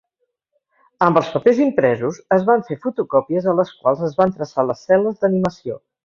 Amb els papers impresos, es van fer fotocòpies a les quals es van traçar les cel·les d"animació.